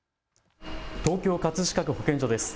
東京葛飾区保健所です。